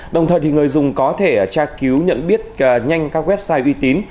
đồng thời người dùng có thể tra cứu nhận biết nhanh các website uy tín